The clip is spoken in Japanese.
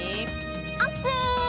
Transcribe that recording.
オッケー！